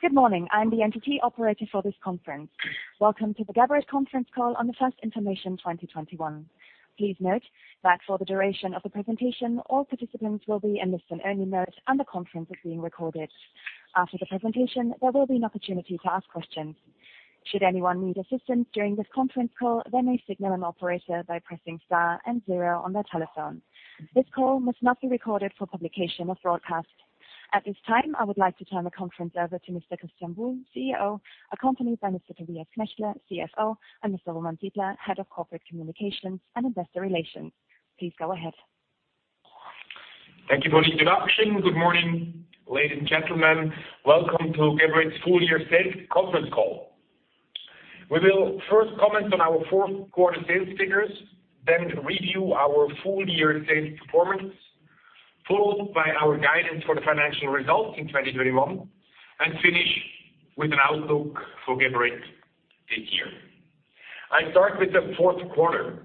Good morning. I am the entity operator for this conference. Welcome to the Geberit conference call on the first information 2021. Please note that for the duration of the presentation, all participants will be in listen-only mode, and the conference is being recorded. After the presentation, there will be an opportunity to ask questions. Should anyone need assistance during this conference call, they may signal an operator by pressing star and zero on their telephone. This call must not be recorded for publication or broadcast. At this time, I would like to turn the conference over to Mr. Christian Buhl, CEO, accompanied by Mr. Tobias Knechtle, CFO, and Mr. Roman Sidler, Head of Corporate Communications and Investor Relations. Please go ahead. Thank you for the introduction. Good morning, ladies and gentlemen. Welcome to Geberit full year sales conference call. We will first comment on our fourth quarter sales figures, then review our full year sales performance, followed by our guidance for the financial results in 2021, and finish with an outlook for Geberit this year. I start with the fourth quarter.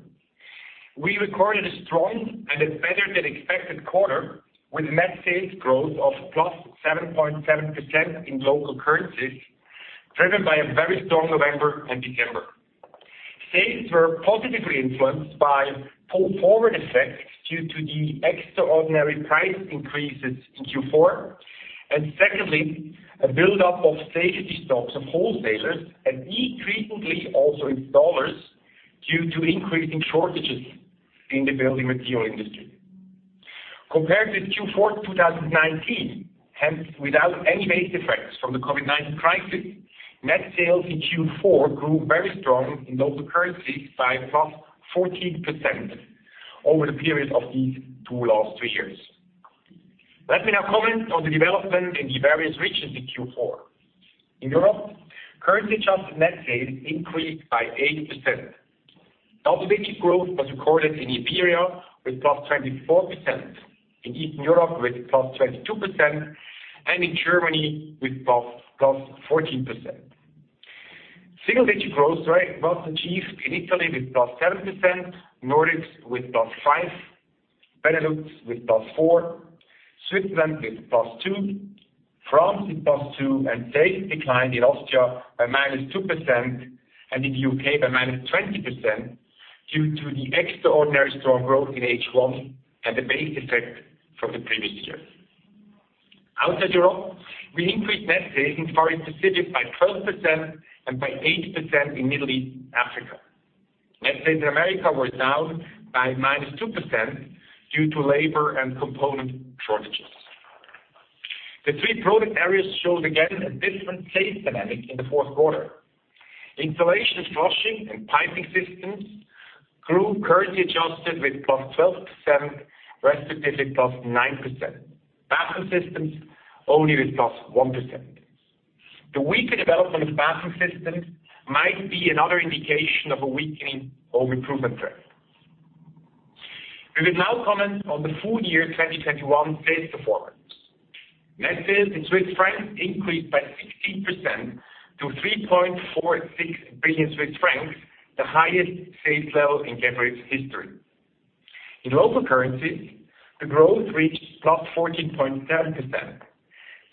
We recorded a strong and a better than expected quarter with net sales growth of +7.7% in local currencies, driven by a very strong November and December. Sales were positively influenced by pull-forward effects due to the extraordinary price increases in Q4, and secondly, a buildup of safety stocks of wholesalers and increasingly also installers due to increasing shortages in the building material industry. Compared with Q4 of 2019, hence without any base effects from the COVID-19 crisis, net sales in Q4 grew very strong in local currencies by +14% over the period of these two last three years. Let me now comment on the development in the various regions in Q4. In Europe, currency adjusted net sales increased by 8%. Double-digit growth was recorded in Iberia with +24%, in Eastern Europe with +22%, and in Germany with +14%. Single-digit growth rate was achieved in Italy with +7%, Nordics with +5%, Benelux with +4%, Switzerland with +2%, France with +2%, and sales declined in Austria by -2% and in the U.K. by -20% due to the extraordinary strong growth in H1 and the base effect from the previous years. Outside Europe, we increased net sales in Far East/Pacific by 12% and by 8% in Middle East/Africa. Net sales in America were down by -2% due to labor and component shortages. The three product areas showed again a different sales dynamic in the fourth quarter. Installation, flushing, and piping systems grew currency adjusted with +12%, respectively +9%. Bathroom Systems only with +1%. The weaker development of Bathroom Systems might be another indication of a weakening home improvement trend. We will now comment on the full year 2021 sales performance. Net sales in Swiss francs increased by 16% to 3.46 billion Swiss francs, the highest sales level in Geberit's history. In local currencies, the growth reached +14.7%.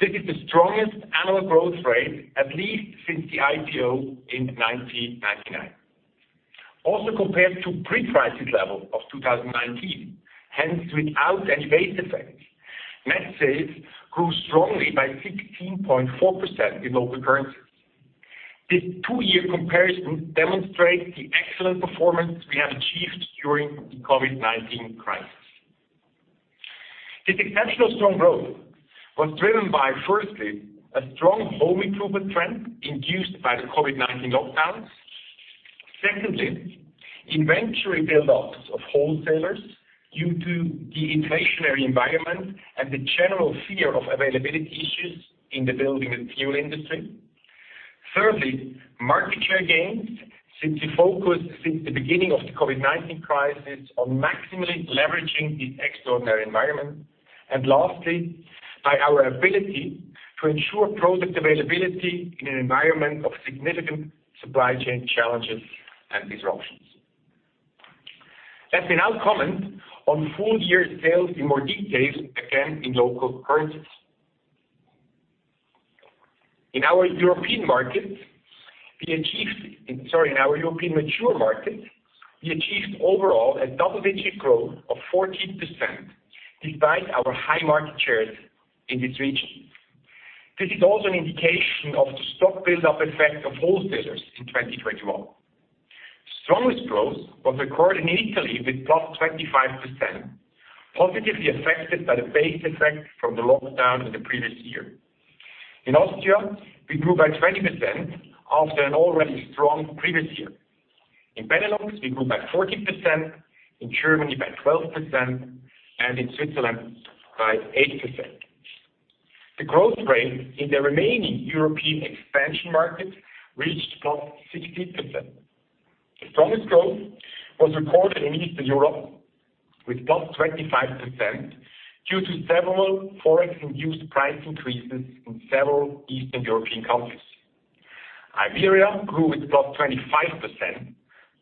This is the strongest annual growth rate, at least since the IPO in 1999. Also compared to pre-crisis level of 2019, hence without any base effect, net sales grew strongly by 16.4% in local currencies. This two-year comparison demonstrates the excellent performance we have achieved during the COVID-19 crisis. This exceptional strong growth was driven by, firstly, a strong home improvement trend induced by the COVID-19 lockdowns. Secondly, inventory buildups of wholesalers due to the inflationary environment and the general fear of availability issues in the building material industry. Thirdly, market share gains since we focused since the beginning of the COVID-19 crisis on maximally leveraging the extraordinary environment. And lastly, by our ability to ensure product availability in an environment of significant supply chain challenges and disruptions. Let me now comment on full year sales in more details, again, in local currencies. In our European mature markets, we achieved overall a double-digit growth of 14%, despite our high market shares in this region. This is also an indication of the stock buildup effect of wholesalers in 2021. The strongest growth was recorded in Italy with +25%, positively affected by the base effect from the lockdown in the previous year. In Austria, we grew by 20% after an already strong previous year. In Benelux, we grew by 14%, in Germany by 12%, and in Switzerland by 8%. The growth rate in the remaining European expansion markets reached +16%. The strongest growth was recorded in Eastern Europe with +25% due to several forex-induced price increases in several Eastern European countries. Iberia grew with +25%,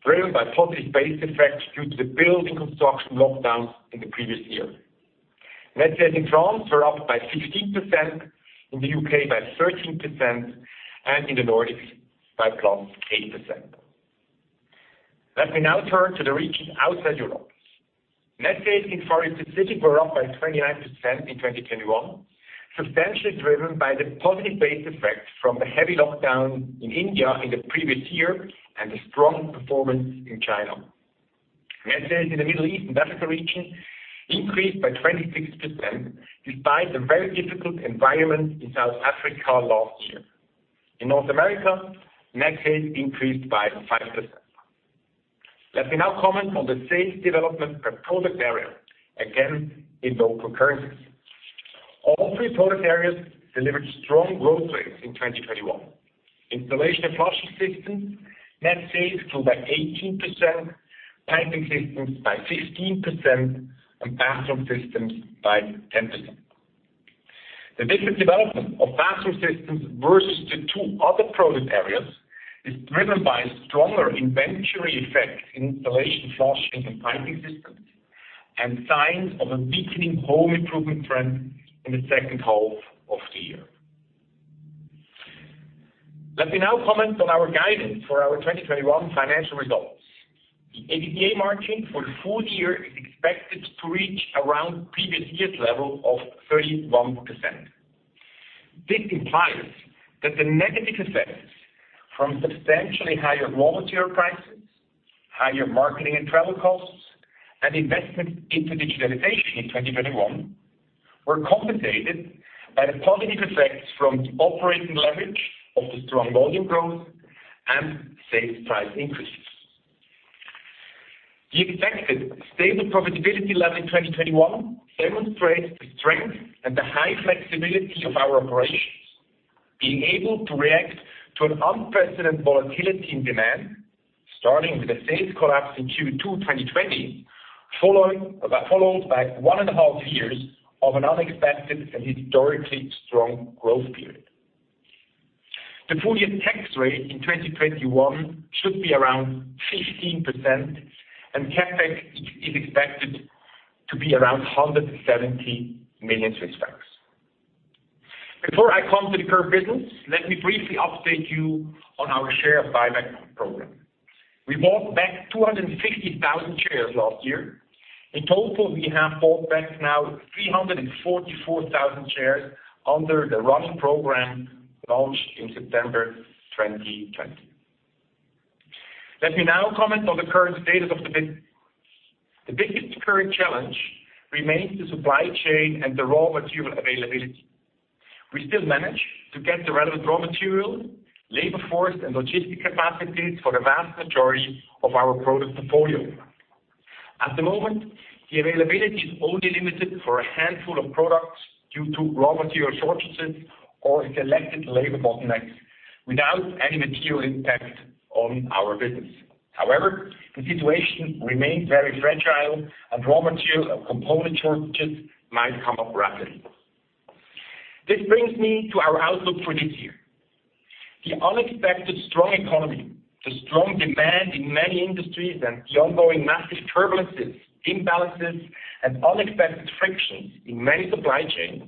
driven by positive base effects due to the building construction lockdowns in the previous year. Net sales in France were up by 16%, in the U.K. by 13%, and in the Nordics by +8%. Let me now turn to the regions outside Europe. Net sales in Far East Pacific were up by 29% in 2021, substantially driven by the positive base effect from the heavy lockdown in India in the previous year and the strong performance in China. Net sales in the Middle East and Africa region increased by 26% despite the very difficult environment in South Africa last year. In North America, net sales increased by 5%. Let me now comment on the sales development per product area, again, in local currencies. All three product areas delivered strong growth rates in 2021. Installation and Flushing Systems, net sales grew by 18%, Piping Systems by 15%, and Bathroom Systems by 10%. The different development of Bathroom Systems versus the two other product areas is driven by stronger inventory effect in installation, flushing, and Piping Systems, and signs of a weakening home improvement trend in the second half of the year. Let me now comment on our guidance for our 2021 financial results. The EBITDA margin for the full year is expected to reach around previous year's level of 31%. This implies that the negative effects from substantially higher raw material prices, higher marketing and travel costs, and investment into digitalization in 2021 were compensated by the positive effects from the operating leverage of the strong volume growth and sales price increases. The expected stable profitability level in 2021 demonstrates the strength and the high flexibility of our operations being able to react to an unprecedented volatility in demand, starting with the sales collapse in Q2 2020, followed by one and 1/2 years of an unexpected and historically strong growth period. The full-year tax rate in 2021 should be around 15%, and CapEx is expected to be around 170 million Swiss francs. Before I come to the current business, let me briefly update you on our share buyback program. We bought back 250,000 shares last year. In total, we have bought back now 344,000 shares under the running program launched in September 2020. Let me now comment on the current status of the business. The biggest current challenge remains the supply chain and the raw material availability. We still manage to get the relevant raw material, labor force, and logistic capacities for the vast majority of our product portfolio. At the moment, the availability is only limited for a handful of products due to raw material shortages or selected labor bottlenecks without any material impact on our business. However, the situation remains very fragile, and raw material or component shortages might come up rapidly. This brings me to our outlook for this year. The unexpected strong economy, the strong demand in many industries, and the ongoing massive turbulences, imbalances, and unexpected frictions in many supply chains,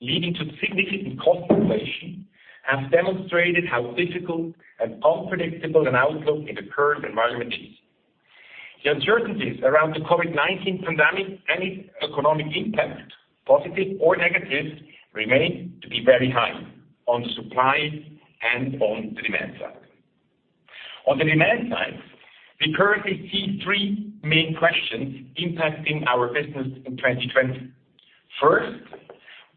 leading to significant cost inflation, have demonstrated how difficult and unpredictable an outlook in the current environment is. The uncertainties around the COVID-19 pandemic and its economic impact, positive or negative, remain to be very high on the supply and on the demand side. On the demand side, we currently see three main questions impacting our business in 2020. First,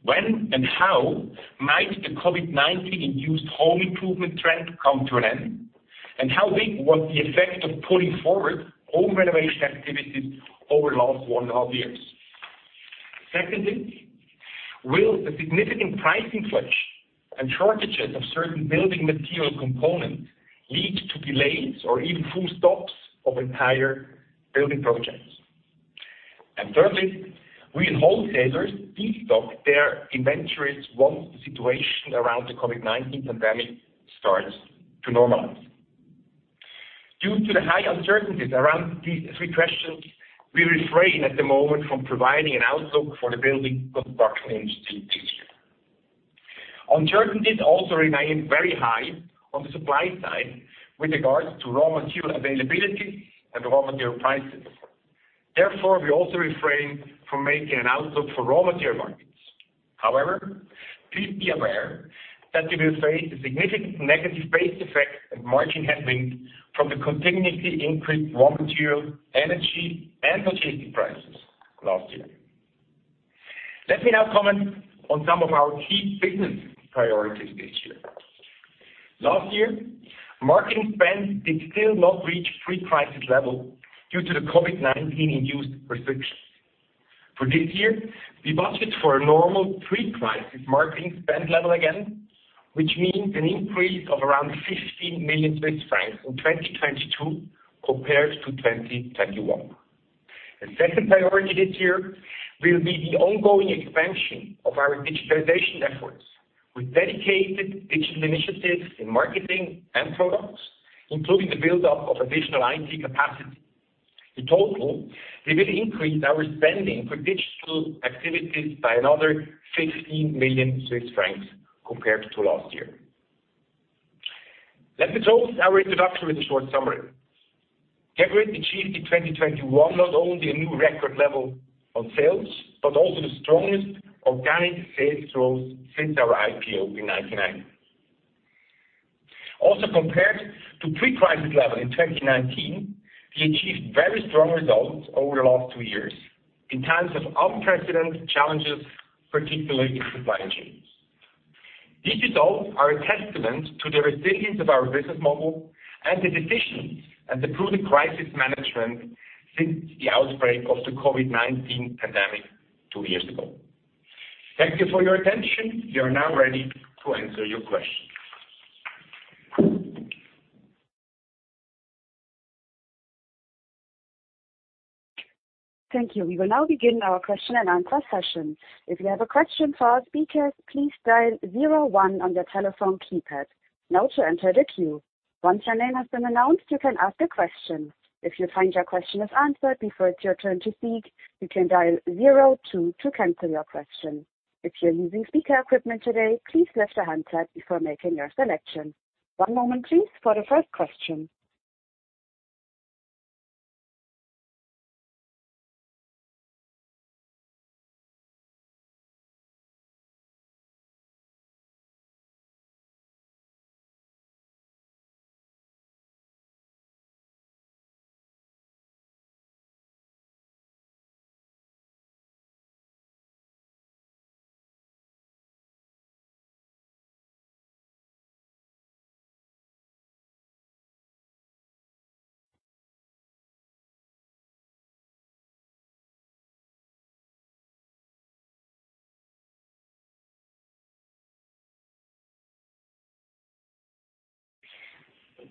when and how might the COVID-19-induced home improvement trend come to an end? And how big was the effect of putting forward home renovation activities over the last one and 1/2 years? Secondly, will the significant price inflation and shortages of certain building material components lead to delays or even full stops of entire building projects? Thirdly, will wholesalers destock their inventories once the situation around the COVID-19 pandemic starts to normalize? Due to the high uncertainties around these three questions, we refrain at the moment from providing an outlook for the building construction industry this year. Uncertainties also remain very high on the supply side with regards to raw material availability and raw material prices. Therefore, we also refrain from making an outlook for raw material markets. However, please be aware that we will face a significant negative base effect and margin headwind from the continuously increased raw material, energy, and logistic prices last year. Let me now comment on some of our key business priorities this year. Last year, marketing spend did still not reach pre-crisis level due to the COVID-19-induced restrictions. For this year, we budget for a normal pre-crisis marketing spend level again, which means an increase of around 15 million Swiss francs in 2022 compared to 2021. The second priority this year will be the ongoing expansion of our digitalization efforts with dedicated digital initiatives in marketing and products, including the buildup of additional IT capacity. In total, we will increase our spending for digital activities by another 16 million Swiss francs compared to last year. Let me close our introduction with a short summary. Geberit achieved in 2021 not only a new record level on sales, but also the strongest organic sales growth since our IPO in 1999. Also, compared to pre-crisis level in 2019, we achieved very strong results over the last two years in times of unprecedented challenges, particularly in supply chains. These results are a testament to the resilience of our business model and the decisions and the prudent crisis management since the outbreak of the COVID-19 pandemic two years ago. Thank you for your attention. We are now ready to answer your questions. Thank you. We will now begin our question and answer session. If you have a question for our speakers, please dial zero one on your telephone keypad now to enter the queue. Once your name has been announced, you can ask a question. If you find your question is answered before it's your turn to speak, you can dial zero two to cancel your question. If you're using speaker equipment today, please lift the handset before making your selection. One moment, please, for the first question.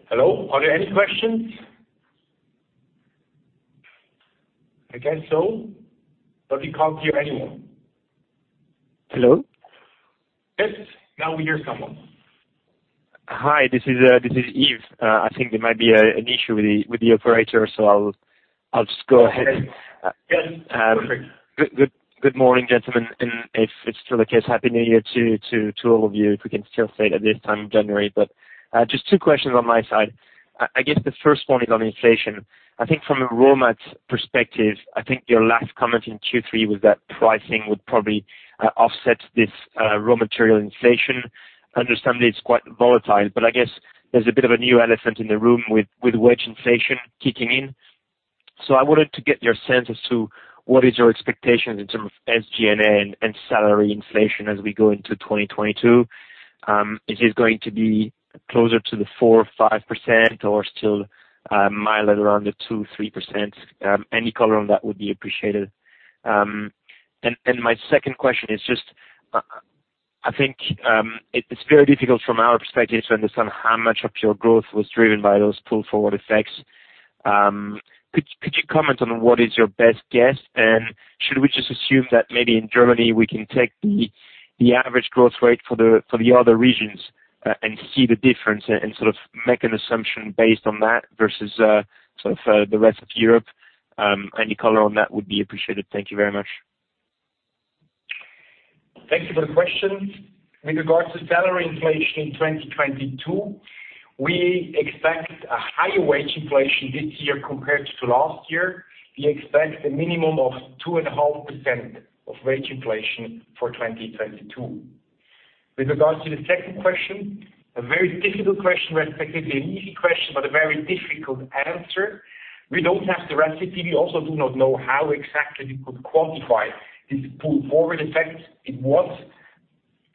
Hello. Are there any questions? I guess so, but we can't hear anyone. Hello. Yes. Now we hear someone. Hi, this is Yves. I think there might be an issue with the operator, so I'll just go ahead. Okay. Yes. Perfect. Good morning, gentlemen. If it's still the case, happy New Year to all of you, if we can still say it at this time in January. Just two questions on my side. I guess the first one is on inflation. I think from a raw mats perspective, I think your last comment in Q3 was that pricing would probably offset this raw material inflation. I understand it's quite volatile, but I guess there's a bit of a new elephant in the room with wage inflation kicking in. I wanted to get your sense as to what is your expectations in terms of SG&A and salary inflation as we go into 2022. Is this going to be closer to the 4% or 5% or still milder around the 2%-3%? Any color on that would be appreciated. My second question is just, I think, it's very difficult from our perspective to understand how much of your growth was driven by those pull forward effects. Could you comment on what is your best guess? Should we just assume that maybe in Germany we can take the average growth rate for the other regions, and see the difference and sort of make an assumption based on that versus, sort of, the rest of Europe? Any color on that would be appreciated. Thank you very much. Thank you for the question. With regards to salary inflation in 2022, we expect a higher wage inflation this year compared to last year. We expect a minimum of 2.5% of wage inflation for 2022. With regards to the second question, a very difficult question respectively, an easy question, but a very difficult answer. We don't have the recipe. We also do not know how exactly we could quantify this pull forward effect. It was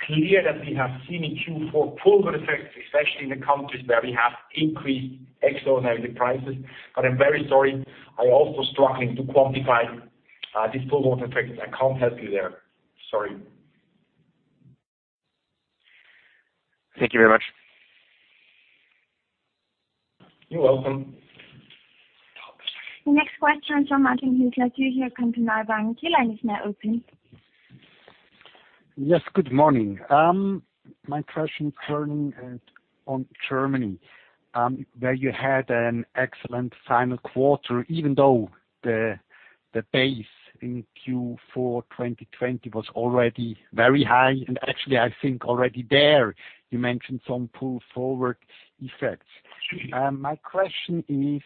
clear that we have seen in Q4 pull forward effects, especially in the countries where we have increased exponentially prices. But I'm very sorry, I'm also struggling to quantify this pull forward effect. I can't help you there. Sorry. Thank you very much. You're welcome. The next question from Martin Hüsler, Zürcher Kantonalbank. Your line is now open. Yes. Good morning. My question turning on Germany, where you had an excellent final quarter, even though the base in Q4 2020 was already very high. Actually, I think already there you mentioned some pull forward effects. My question is,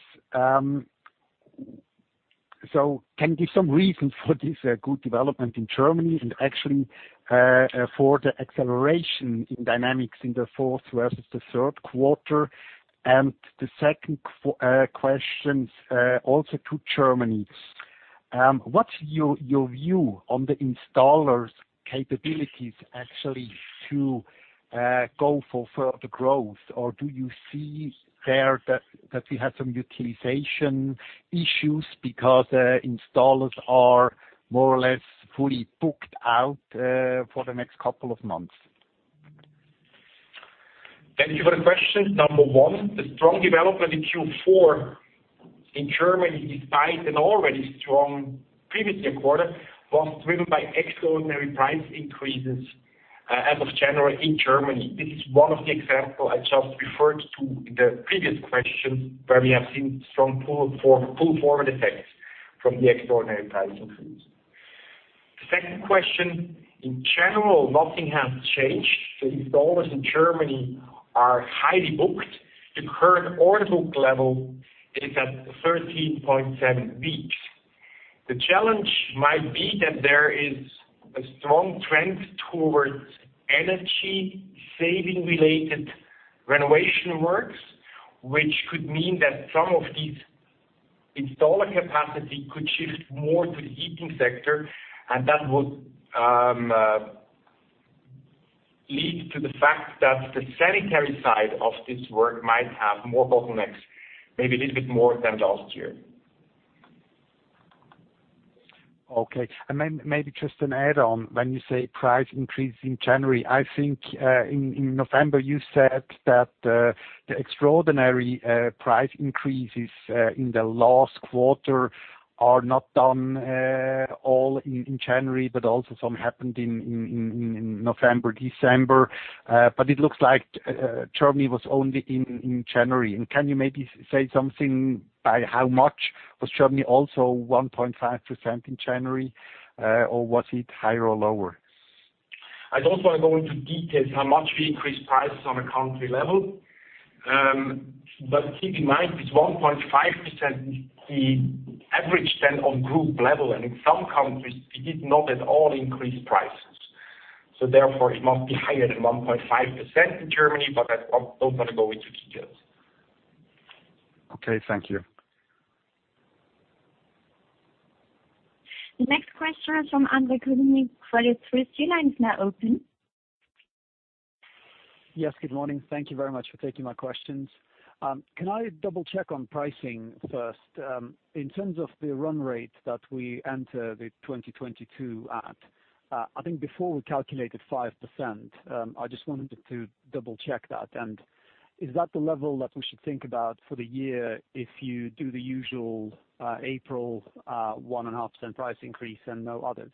so can you give some reason for this good development in Germany and actually for the acceleration in dynamics in the fourth versus the third quarter? The second question also to Germany. What's your view on the installers' capabilities actually to go for further growth? Or do you see there that we have some utilization issues because installers are more or less fully booked out for the next couple of months? Thank you for the question. Number one, the strong development in Q4 in Germany, despite an already strong previous quarter, was driven by extraordinary price increases as of January in Germany. This is one of the examples I just referred to in the previous question, where we have seen strong pull-forward effects from the extraordinary price increase. The second question, in general, nothing has changed. The installers in Germany are highly booked. The current order book level is at 13.7 weeks. The challenge might be that there is a strong trend towards energy saving-related renovation works, which could mean that some of these installer capacity could shift more to the heating sector, and that would lead to the fact that the sanitary side of this work might have more bottlenecks, maybe a little bit more than last year. Okay. Then maybe just an add on when you say price increase in January. I think in November you said that the extraordinary price increases in the last quarter are not done all in January, but also some happened in November, December. But it looks like Germany was only in January. Can you maybe say something by how much was Germany also 1.5% in January? Or was it higher or lower? I don't wanna go into details how much we increased prices on a country level. But keep in mind, this 1.5% is the average then on group level, and in some countries we did not at all increase prices. Therefore, it must be higher than 1.5% in Germany, but I don't wanna go into details. Okay, thank you. The next question is from Andre Kukhnin, Credit Suisse. Your line is now open. Yes, good morning. Thank you very much for taking my questions. Can I double-check on pricing first? In terms of the run rate that we enter 2022 at, I think before we calculated 5%, I just wanted to double-check that. Is that the level that we should think about for the year if you do the usual April 1.5% price increase and no others?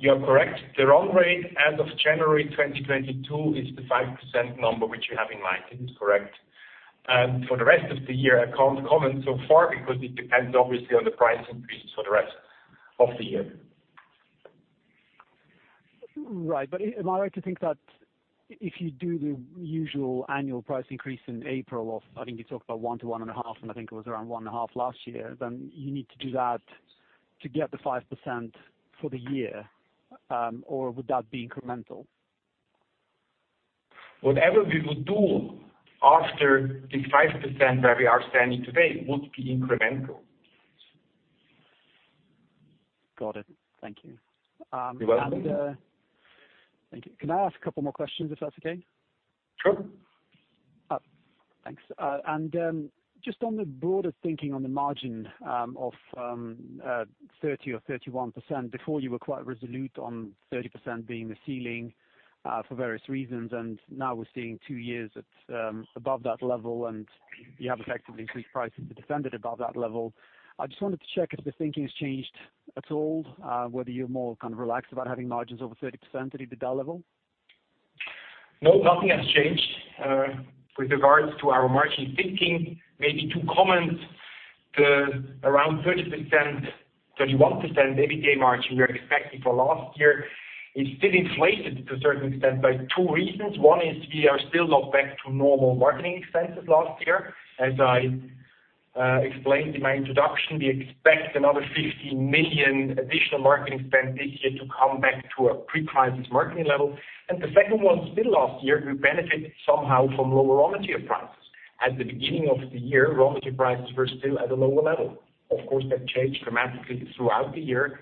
You are correct. The run rate as of January 2022 is the 5% number which you have in mind. It is correct. For the rest of the year, I can't comment so far because it depends obviously on the price increases for the rest of the year. Right. Am I right to think that if you do the usual annual price increase in April of, I think you talked about 1%-1.5%, and I think it was around 1.5% last year, then you need to do that to get the 5% for the year. Would that be incremental? Whatever we would do after the 5% where we are standing today would be incremental. Got it. Thank you. You're welcome. Thank you. Can I ask a couple more questions if that's okay? Sure. Thanks. Just on the broader thinking on the margin of 30% or 31%, before you were quite resolute on 30% being the ceiling for various reasons, now we're seeing two years at above that level, and you have effectively increased prices to defend it above that level. I just wanted to check if the thinking has changed at all, whether you're more kind of relaxed about having margins over 30% at the EBITDA level. No, nothing has changed with regards to our margin thinking. Maybe two comments. The around 30%-31% EBITDA margin we are expecting for last year is still inflated to a certain extent by two reasons. One is we are still not back to normal marketing expenses last year. As I explained in my introduction, we expect another 50 million additional marketing spend this year to come back to a pre-crisis marketing level. The second one, still last year, we benefit somehow from lower raw material prices. At the beginning of the year, raw material prices were still at a lower level. Of course, that changed dramatically throughout the year.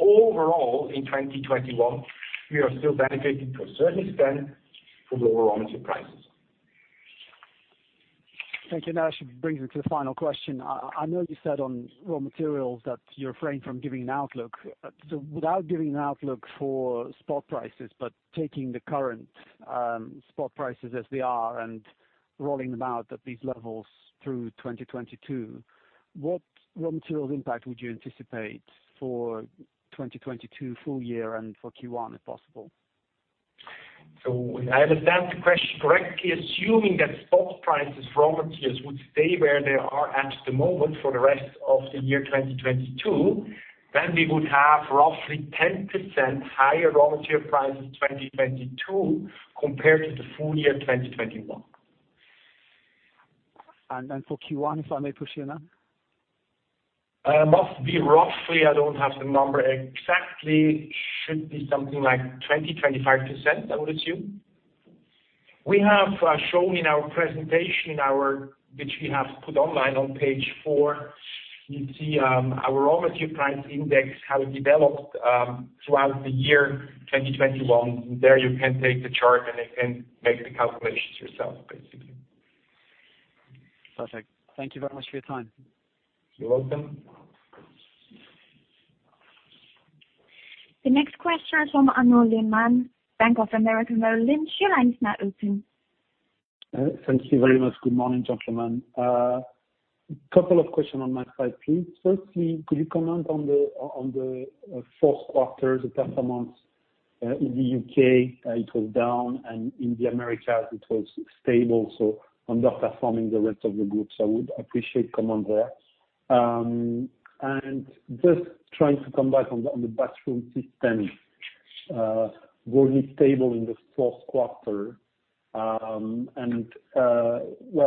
Overall, in 2021, we are still benefiting to a certain extent from lower raw material prices. Thank you. Now, that should bring me to the final question. I know you said on raw materials that you refrain from giving an outlook. Without giving an outlook for spot prices, but taking the current spot prices as they are and rolling them out at these levels through 2022, what raw materials impact would you anticipate for 2022 full year and for Q1 if possible? If I understand the question correctly, assuming that spot prices for raw materials would stay where they are at the moment for the rest of the year 2022, then we would have roughly 10% higher raw material prices in 2022 compared to the full year 2021. For Q1, if I may push you on that. It must be roughly. I don't have the number exactly. Should be something like 20%-25%, I would assume. We have shown in our presentation, which we have put online on page four, you see, our raw material price index, how it developed throughout the year 2021. There you can take the chart and make the calculations yourself, basically. Perfect. Thank you very much for your time. You're welcome. The next question is from Arnaud Lehmann, Bank of America Merrill Lynch. Your line is now open. Thank you very much. Good morning, gentlemen. Couple of questions on my side, please. Firstly, could you comment on the fourth quarter performance in the U.K., it was down, and in the Americas it was stable, so underperforming the rest of the group. I would appreciate comment there. Just trying to come back on the Bathroom Systems, were it stable in the fourth quarter? Well,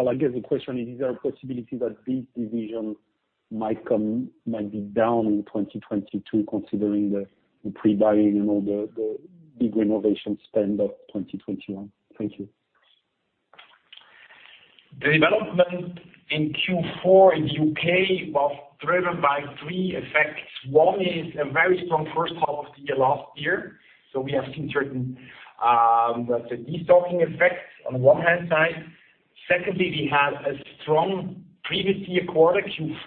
I guess the question is there a possibility that this division might be down in 2022 considering the pre-buying and all the big renovation spend of 2021? Thank you. The development in Q4 in the U.K. was driven by three effects. One is a very strong first half of the year last year, so we have seen certain, let's say, destocking effects on one hand side. Secondly, we had a strong previous year quarter.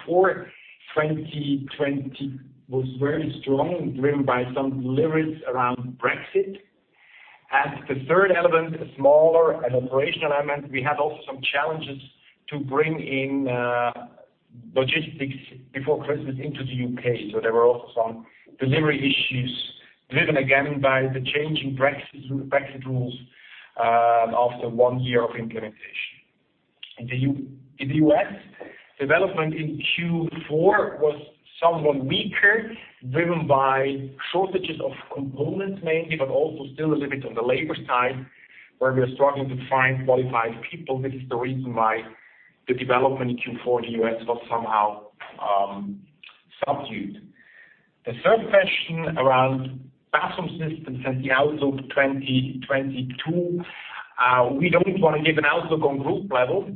Q4 2020 was very strong, driven by some deliveries around Brexit. The third element is smaller and operational element. We had also some challenges to bring in, logistics before Christmas into the U.K. There were also some delivery issues, driven again by the changing Brexit rules, after one year of implementation. In the U.S., development in Q4 was somewhat weaker, driven by shortages of components mainly, but also still a little bit on the labor side, where we are struggling to find qualified people. This is the reason why the development in Q4 in the U.S. was somehow subdued. The third question around Bathroom Systems and the outlook 2022, we don't wanna give an outlook on group level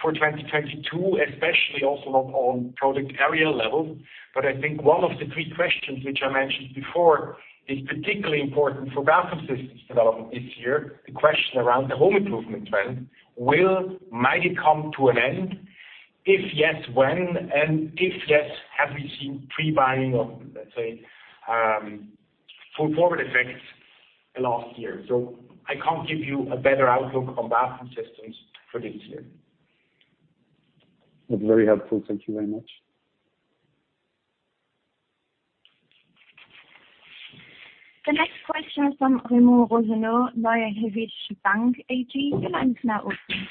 for 2022, especially also not on product area level. I think one of the three questions which I mentioned before is particularly important for Bathroom Systems development this year, the question around the home improvement trend. Might it come to an end? If yes, when? And if yes, have we seen pre-buying of, let's say, full forward effects last year? I can't give you a better outlook on Bathroom Systems for this year. That's very helpful. Thank you very much. The next question is from Remo Rosenau, Helvetische Bank AG. Your line is now open.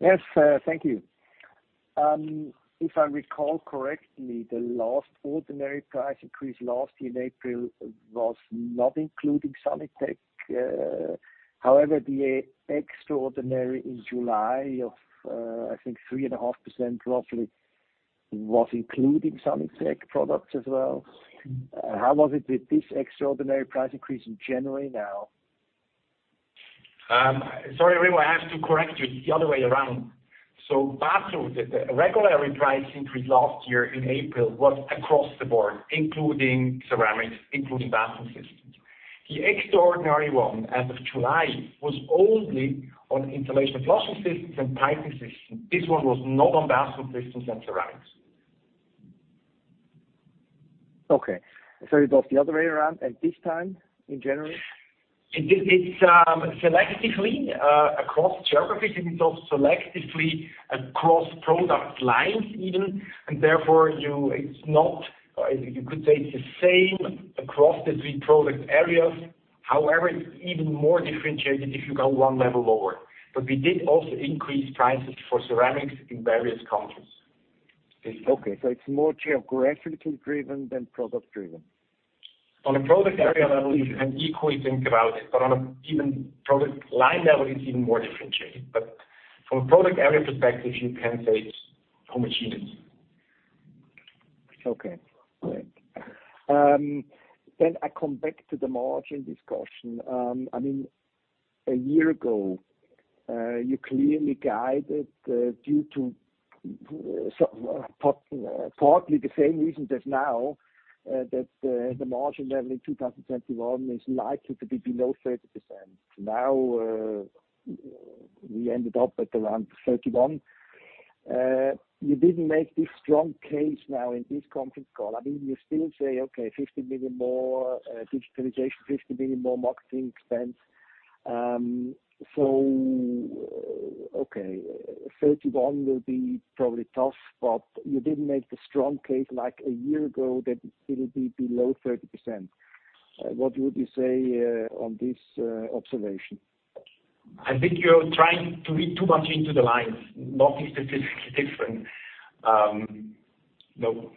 Yes, thank you. If I recall correctly, the last ordinary price increase last year in April was not including Sanitec. However, the extraordinary in July of, I think 3.5% roughly was including Sanitec products as well. How was it with this extraordinary price increase in January now? Sorry, Remo, I have to correct you. It's the other way around. The regular price increase last year in April was across the board, including ceramics, including Bathroom Systems. The extraordinary one as of July was only on installation and flushing systems and Piping Systems. This one was not on Bathroom Systems and ceramics. Okay. It was the other way around. This time in January? It's selectively across geographies, and it's also selectively across product lines even, and therefore it's not, you could say, it's the same across the three product areas. However, it's even more differentiated if you go one level lower. We did also increase prices for ceramics in various countries. Okay. It's more geographically driven than product driven. On a product area level, you can equally think about it, but on an even product line level, it's even more differentiated. From a product area perspective, you can say it's homogeneous. Okay, great. I come back to the margin discussion. I mean, a year ago, you clearly guided, due to partly the same reasons as now, that the margin level in 2021 is likely to be below 30%. Now, we ended up at around 31%. You didn't make this strong case now in this conference call. I mean, you still say, okay, 50 million more digitalization, 50 million more marketing expense. Okay, 31% will be probably tough, but you didn't make the strong case like a year ago that it'll be below 30%. What would you say on this observation? I think you're trying to read too much into the lines. Nothing specifically different. No.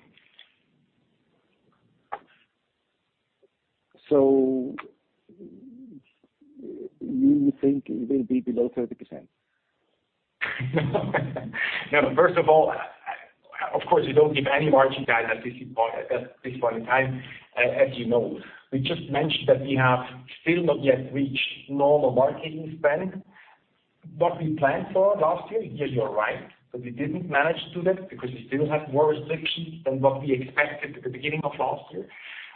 You think it will be below 30%? No. First of all, of course, we don't give any margin guidance at this point in time, as you know. We just mentioned that we have still not yet reached normal marketing spend. What we planned for last year, yes, you're right, but we didn't manage to do that because we still had more restrictions than what we expected at the beginning of last year.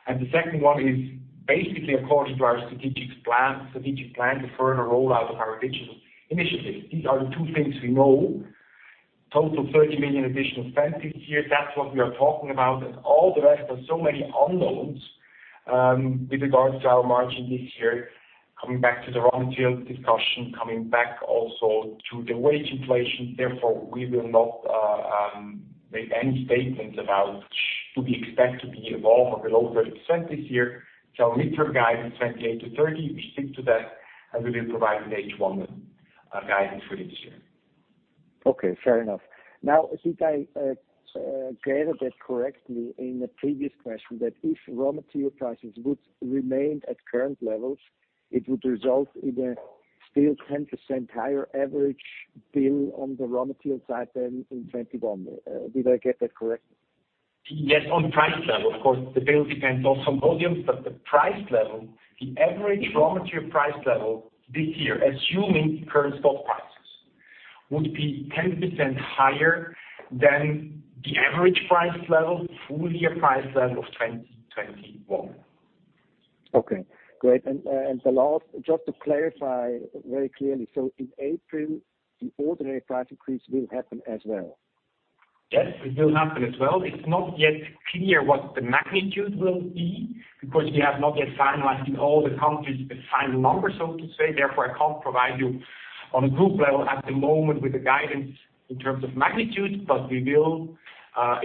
The second one is basically according to our strategic plan to further roll out our regional initiatives. These are the two things we know. Total 30 million additional spend this year, that's what we are talking about. All the rest are so many unknowns with regards to our margin this year, coming back to the raw material discussion, coming back also to the wage inflation. Therefore, we will not make any statements about should we expect to be above or below 30% this year. Our midterm guidance, 28%-30%, we stick to that, and we will provide an H1 guidance for this year. Okay, fair enough. Now, I think I gathered that correctly in the previous question that if raw material prices would remain at current levels, it would result in a still 10% higher average bill on the raw material side than in 2021. Did I get that correct? Yes, on price level. Of course, the bill depends also on volumes, but the price level, the average raw material price level this year, assuming the current stock prices, would be 10% higher than the average price level, full-year price level of 2021. Okay, great. The last, just to clarify very clearly. In April, the ordinary price increase will happen as well? Yes, it will happen as well. It's not yet clear what the magnitude will be because we have not yet finalized in all the countries the final number, so to say. Therefore, I can't provide you on a group level at the moment with the guidance in terms of magnitude, but we will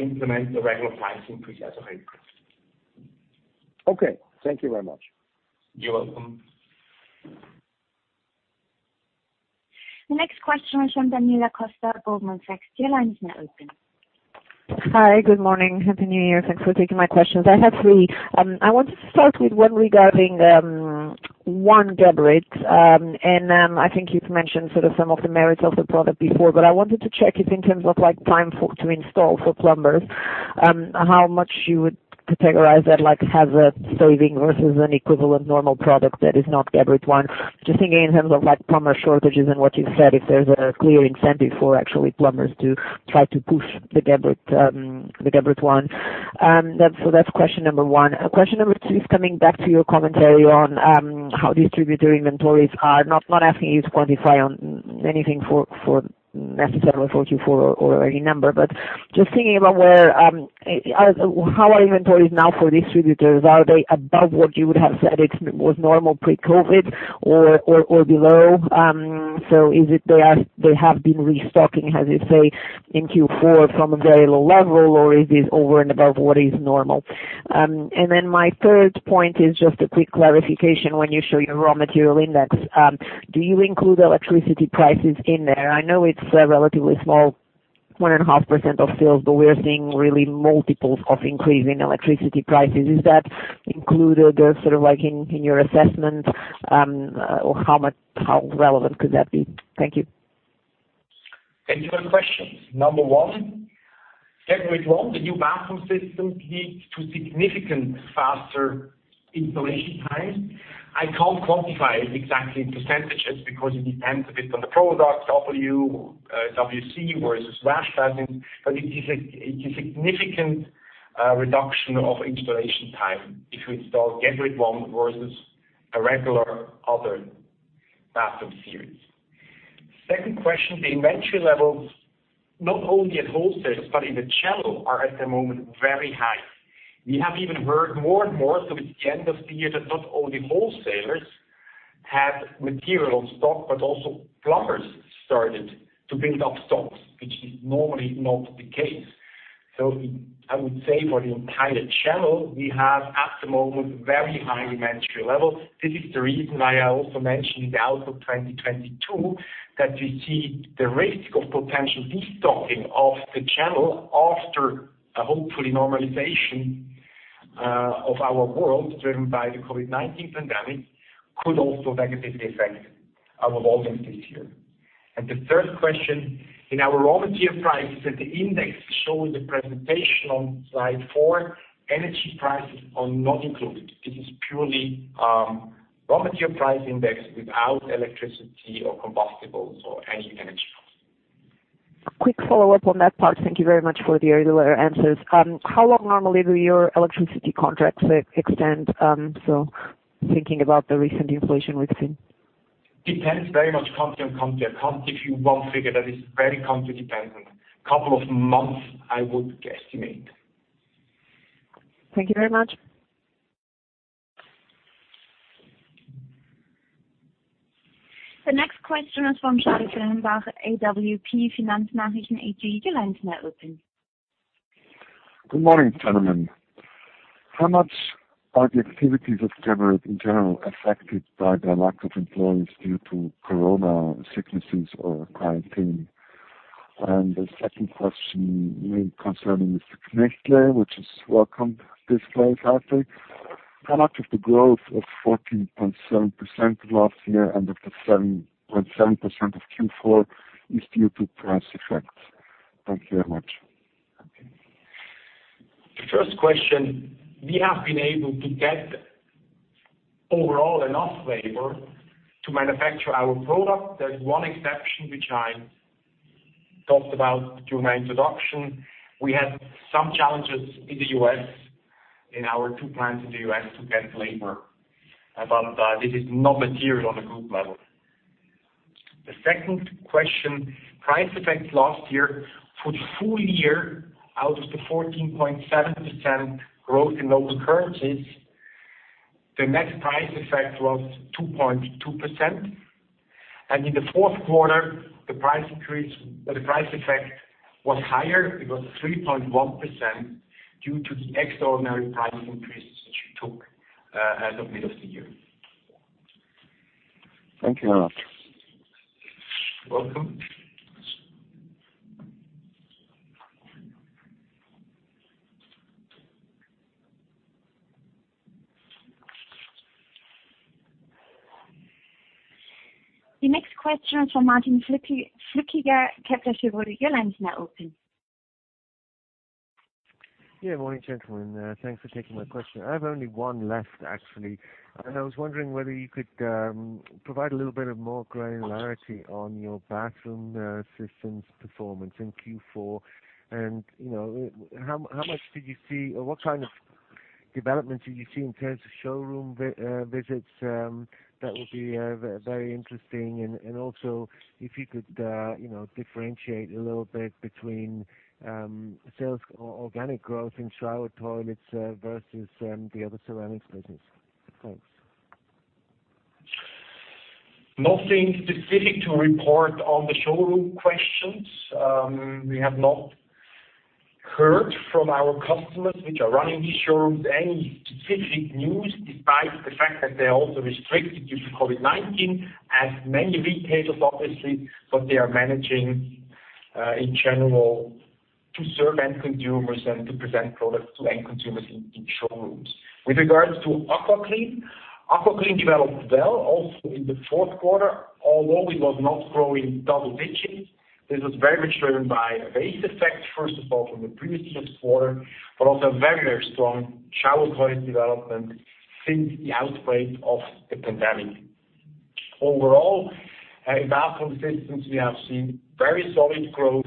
implement the regular price increase as of April. Okay. Thank you very much. You're welcome. The next question is from Daniela Costa of Goldman Sachs. Your line is now open. Hi, good morning. Happy New Year. Thanks for taking my questions. I have three. I want to start with one regarding Geberit. I think you've mentioned sort of some of the merits of the product before, but I wanted to check if in terms of, like, time to install for plumbers, how much you would categorize that, like, has a saving versus an equivalent normal product that is not Geberit ONE. Just thinking in terms of, like, plumber shortages and what you said, if there's a clear incentive for actually plumbers to try to push the Geberit ONE. That's question number one. Question number two is coming back to your commentary on how distributor inventories are. Not asking you to quantify on anything for necessarily for Q4 or any number, but just thinking about where how are inventories now for distributors? Are they above what you would have said it was normal pre-COVID or below? Is it they have been restocking, as you say in Q4 from a very low level, or is this over and above what is normal? My third point is just a quick clarification when you show your raw material index. Do you include electricity prices in there? I know it's a relatively small 1.5% of sales, but we're seeing really multiples of increase in electricity prices. Is that included there, sort of like in your assessment, or how relevant could that be? Thank you. Thank you for the questions. Number one, Geberit ONE, the new bathroom system leads to significant faster installation time. I can't quantify it exactly in percentages because it depends a bit on the product, WC versus washbasin. It is a significant reduction of installation time if you install Geberit ONE versus a regular other bathroom series. Second question, the inventory levels, not only at wholesalers, but in the channel, are at the moment very high. We have even heard more and more towards the end of the year that not only wholesalers have material on stock, but also plumbers started to build up stocks, which is normally not the case. I would say for the entire channel, we have at the moment very high inventory level. This is the reason why I also mentioned in the outlook 2022 that we see the risk of potential destocking of the channel after a, hopefully, normalization of our world driven by the COVID-19 pandemic, could also negatively affect our volumes this year. The third question on our raw material prices, the index shown in the presentation on slide four, energy prices are not included. It is purely raw material price index without electricity or combustibles or any energy costs. Quick follow-up on that part. Thank you very much for the earlier answers. How long normally do your electricity contracts extend, so thinking about the recent inflation we've seen? depends very much, country by country. I can't give you one figure that is very country dependent. A couple of months, I would guesstimate. Thank you very much. The next question is from Charlie Kenbach, AWP Finanznachrichten AG. Your line is now open. Good morning, gentlemen. How much are the activities of Geberit in general affected by the lack of employees due to corona sicknesses or quarantine? The second question concerning the which is welcome this Product of the growth of 14.7% last year and of the 7.7% of Q4 is due to price effect. Thank you very much. The first question, we have been able to get overall enough labor to manufacture our product. There is one exception, which I talked about during my introduction. We had some challenges in the U.S., in our two plants in the U.S. to get labor. This is not material on a group level. The second question, price effect last year for the full year out of the 14.7% growth in those currencies, the net price effect was 2.2%. In the fourth quarter, the price effect was higher. It was 3.1% due to the extraordinary price increases which we took as of middle of the year. Thank you very much. You're welcome. The next question is from Martin Flueckiger, Kepler Cheuvreux. Your line is now open. Yeah, morning, gentlemen. Thanks for taking my question. I have only one left, actually. I was wondering whether you could provide a little bit more granularity on your Bathroom Systems performance in Q4 and, you know, how much did you see or what kind of developments did you see in terms of showroom visits, that would be very interesting. Also if you could, you know, differentiate a little bit between sales or organic growth in shower toilets versus the other ceramics business. Thanks. Nothing specific to report on the showroom questions. We have not heard from our customers, which are running these showrooms, any specific news despite the fact that they are also restricted due to COVID-19 as many retailers, obviously, but they are managing in general to serve end consumers and to present products to end consumers in showrooms. With regards to AquaClean, it developed well also in the fourth quarter, although it was not growing double digits. This was very much driven by a base effect, first of all, from the previous year's quarter, but also very, very strong shower toilet development since the outbreak of the pandemic. Overall, in Bathroom Systems, we have seen very solid growth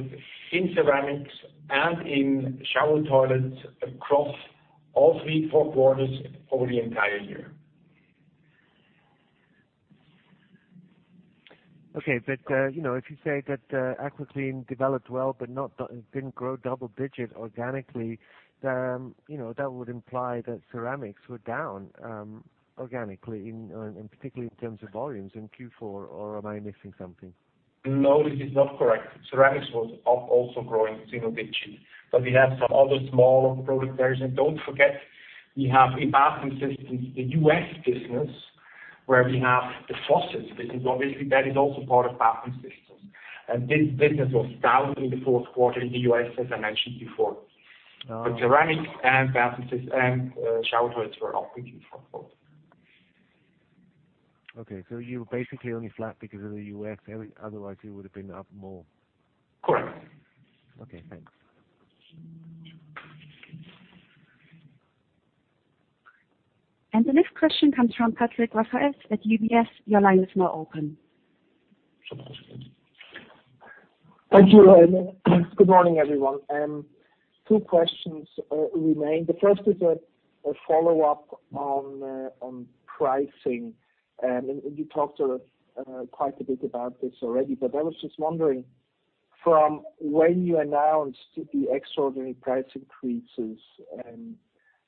in ceramics and in shower toilets across all three, four quarters over the entire year. Okay. You know, if you say that, AquaClean developed well but didn't grow double-digit organically, you know, that would imply that ceramics were down organically in particular in terms of volumes in Q4 or am I missing something? No, this is not correct. Ceramics was up, also growing single-digit, but we have some other small product areas. Don't forget, we have in Bathroom Systems the U.S. business where we have the faucets business, obviously, that is also part of Bathroom Systems. This business was down in the fourth quarter in the U.S., as I mentioned before. Oh. Ceramics and Bathroom Systems and shower toilets were up significantly. Okay. You were basically only flat because of the U.S. Otherwise, you would have been up more. Correct. Okay, thanks. The next question comes from Patrick Rafaisz at UBS. Your line is now open. Thank you. Good morning, everyone. Two questions remain. The first is a follow-up on pricing. And you talked quite a bit about this already, but I was just wondering from when you announced the extraordinary price increases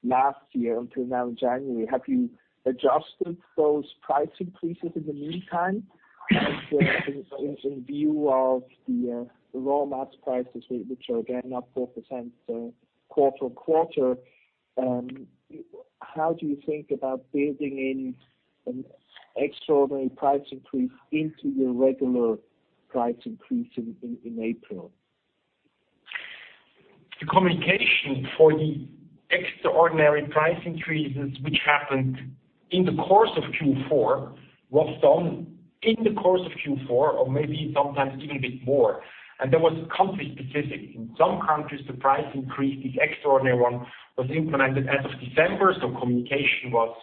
last year until now in January, have you adjusted those price increases in the meantime? In view of the raw materials prices, which are again up 4% quarter-on-quarter, how do you think about building in an extraordinary price increase into your regular price increase in April? The communication for the extraordinary price increases which happened in the course of Q4 was done in the course of Q4 or maybe sometimes even a bit more. That was country specific. In some countries, the price increase, the extraordinary one, was implemented as of December, so communication was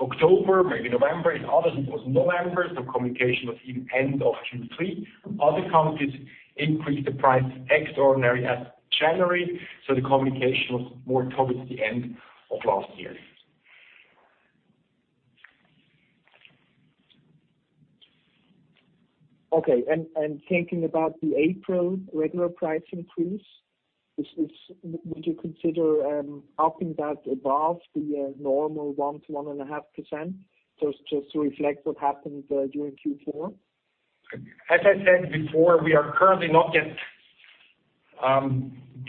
October, maybe November. In others, it was November, so communication was even end of Q3. Other countries increased the price extraordinary as January, so the communication was more towards the end of last year. Okay. Thinking about the April regular price increase, would you consider upping that above the normal 1%-1.5% just to reflect what happened during Q4? As I said before, we are currently not yet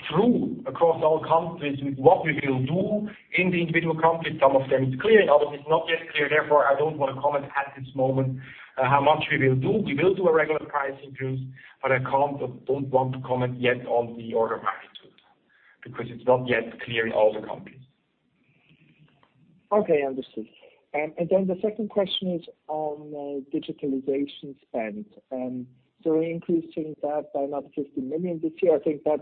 through across all countries with what we will do in the individual countries. Some of them it's clear, in others it's not yet clear. Therefore, I don't wanna comment at this moment how much we will do. We will do a regular price increase, but I can't or don't want to comment yet on the order of magnitude because it's not yet clear in all the countries. Okay, understood. The second question is on digitalization spend. Increasing that by another 50 million this year, I think that's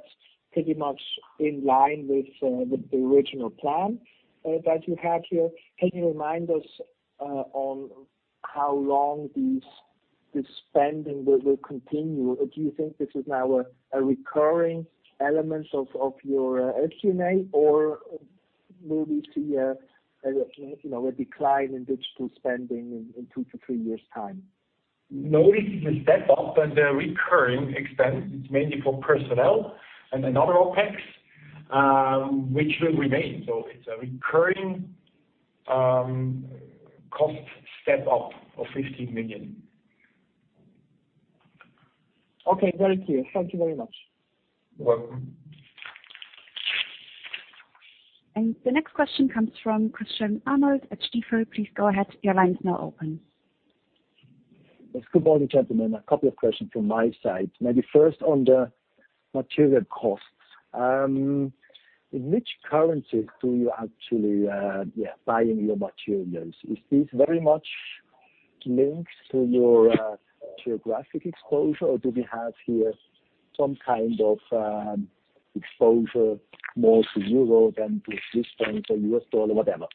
pretty much in line with the original plan that you had here. Can you remind us on how long this spending will continue? Do you think this is now a recurring element of your P&L or will we see a decline in digital spending in two to three years' time? No, it is a step up, but a recurring expense. It's mainly for personnel and another OpEX, which will remain. It's a recurring cost step up of 15 million. Okay. Very clear. Thank you very much. Welcome. The next question comes from Christian Arnold at Stifel. Please go ahead. Your line is now open. Yes. Good morning, gentlemen. A couple of questions from my side. Maybe first on the material costs. In which currencies do you actually buy your materials? Is this very much linked to your geographic exposure, or do we have here some kind of exposure more to Euro than to Swiss franc or U.S. dollar, whatever?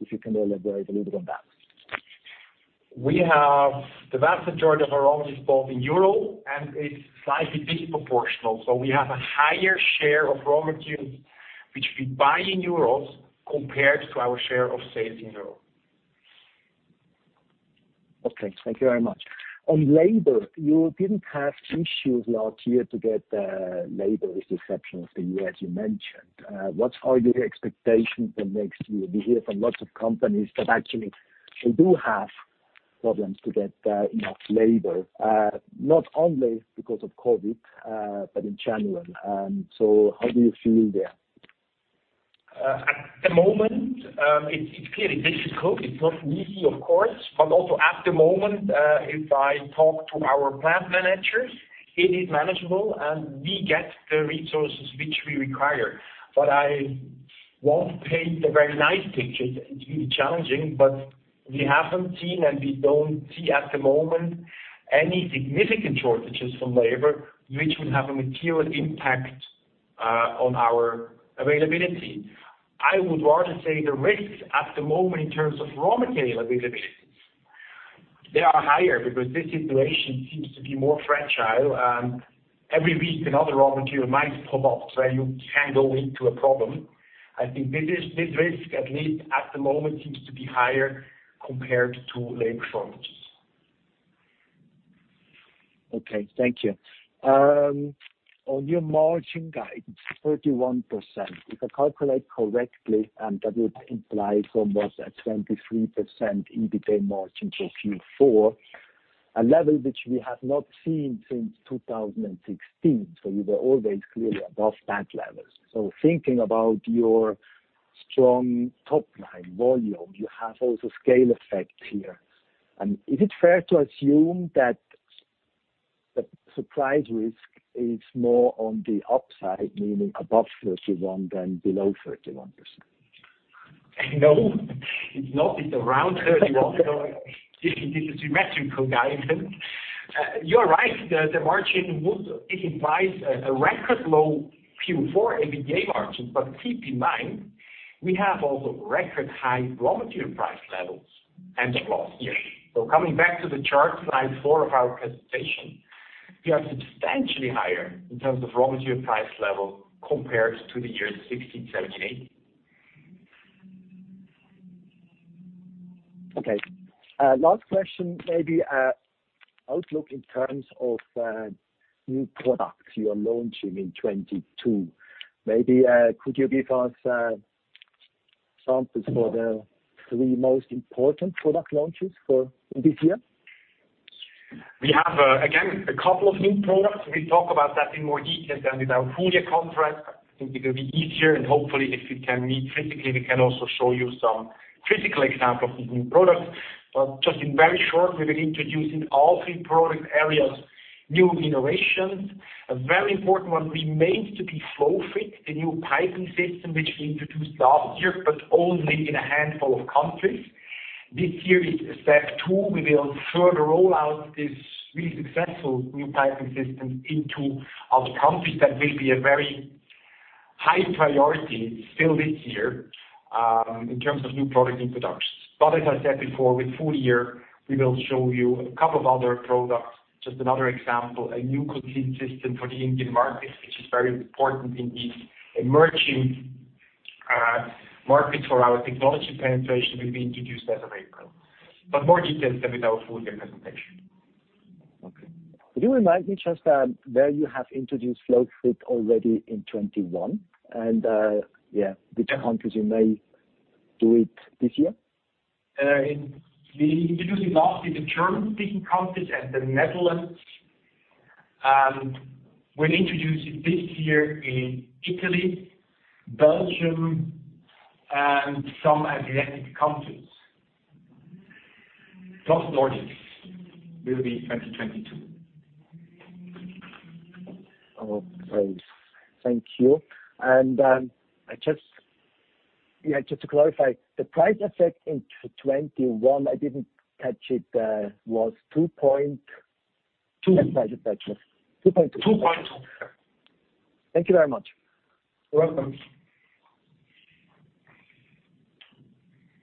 If you can elaborate a little bit on that. The vast majority of our raw material is bought in euro, and it's slightly disproportional. We have a higher share of raw materials which we buy in euros compared to our share of sales in euro. Okay. Thank you very much. On labor, you didn't have issues last year to get labor, with the exception of the U.S., you mentioned. What are your expectations for next year? We hear from lots of companies that actually they do have problems to get enough labor, not only because of COVID, but in general. How do you feel there? At the moment, it's clearly this is COVID, not me, of course, but also at the moment, if I talk to our plant managers, it is manageable, and we get the resources which we require. I won't paint a very nice picture. It's really challenging, but we haven't seen, and we don't see at the moment any significant shortages from labor which would have a material impact on our availability. I would rather say the risks at the moment in terms of raw material availabilities, they are higher because this situation seems to be more fragile. Every week, another raw material might pop up where you can go into a problem. I think this risk, at least at the moment, seems to be higher compared to labor shortages. Okay. Thank you. On your margin guide, it's 31%. If I calculate correctly, and that would imply almost a 23% EBITDA margin for Q4, a level which we have not seen since 2016. You were always clearly above that level. Thinking about your strong top-line volume, you have also scale effect here. Is it fair to assume that the surprise risk is more on the upside, meaning above 31 than below 31%? No. It's not. It's around 31%. This is a symmetrical guidance. You're right. The margin it implies a record low Q4 EBITDA margin. Keep in mind, we have also record high raw material price levels end of last year. Coming back to the chart, slide four of our presentation, we are substantially higher in terms of raw material price level compared to the years 2016, 2017, 2018. Okay. Last question, maybe, outlook in terms of new products you are launching in 2022. Maybe, could you give us examples for the three most important product launches for this year? We have again, a couple of new products. We talk about that in more detail than in our full year conference. I think it will be easier and hopefully if we can meet physically, we can also show you some physical example of these new products. Just in very short, we will introduce in all three product areas, new innovations. A very important one remains to be FlowFit, the new piping system which we introduced last year, but only in a handful of countries. This year is step two. We will further roll out this really successful new piping system into other countries. That will be a very high priority still this year, in terms of new product introductions. As I said before, with full year, we will show you a couple of other products. Just another example, a new coating system for the Indian market, which is very important in these emerging markets for our technology penetration, will be introduced as of April. More details then with our full year presentation. Okay. Could you remind me just where you have introduced FlowFit already in 2021, and yeah, which countries you may do it this year? We introduced it last in the German-speaking countries and the Netherlands. We're introducing this year in Italy, Belgium, and some Adriatic countries. First orders will be 2022. Oh, great. Thank you. Just to clarify, the price effect in 2021, I didn't catch it, was two point. Two. Let's try it that way. 2.2. 2.2. Thank you very much. Welcome.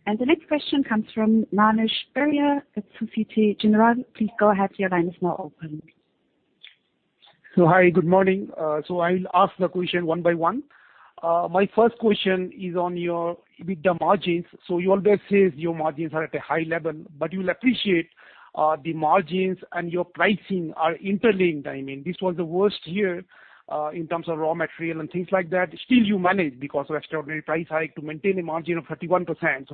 The next question comes from Manish Beria at Societe Generale. Please go ahead, your line is now open. Hi, good morning. I'll ask the question one by one. My first question is on your EBITDA margins. You always says your margins are at a high level, but you will appreciate, the margins and your pricing are interlinked. I mean, this was the worst year, in terms of raw material and things like that. Still you manage because of extraordinary price hike to maintain a margin of 31%.